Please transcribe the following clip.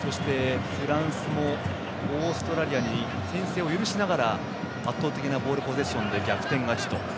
フランスもオーストラリアに先制を許しながら圧倒的なボールポゼッションで逆転勝ちと。